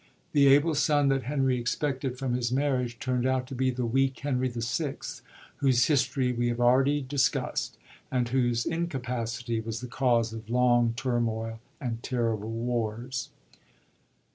The able son that Henry expected from his marriage turnd out to be the weak Henry VI., whose history we have already discus t, and whose incapacity was the cause of long turmoil and terrible wars.